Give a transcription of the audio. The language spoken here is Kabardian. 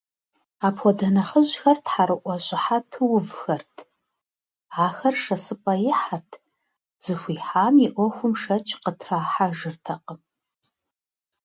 Апхуэдэ нэхъыжьхэр тхьэрыӀуэ щыхьэту увхэрт, ахэр шэсыпӀэ ихьэхэрт, зыхуихьам и Ӏуэхум шэч къытрахьэжыртэкъым.